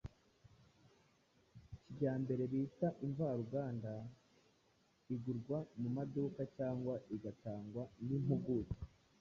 kijyambere bita imvaruganda. Igurwa mu maduka cyangwa igatangwa n’impuguke